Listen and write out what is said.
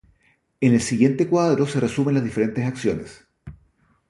En el siguiente cuadro se resumen las diferentes acciones.